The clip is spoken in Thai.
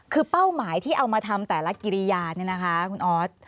คือเป้าหมายที่เอามาทำแต่ละกิริยาเนี่ยนะคะคุณออส